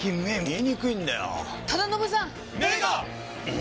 え？